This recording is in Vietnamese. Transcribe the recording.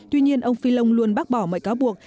tuy nhiên ông fillon luôn bác bỏ mọi cáo buộc